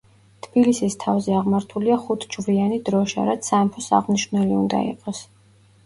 თბილისის თავზე აღმართულია „ხუთ–ჯვრიანი“ დროშა, რაც სამეფოს აღმნიშვნელი უნდა იყოს.